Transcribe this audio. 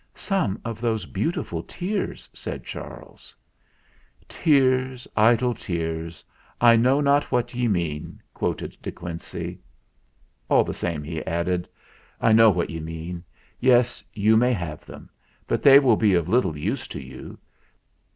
"Some of those beautiful tears," said Charles. 'Tears, idle tears, I know not what ye mean/ " quoted De Quincey. " All the same," he added, "I know what ye mean. Yes, you can have them; but they will be of little use to you.